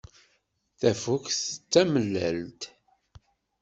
Tafukt d tamellalt.